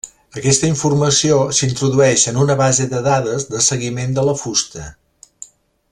Aquesta informació s'introdueix en una base de dades de seguiment de la fusta.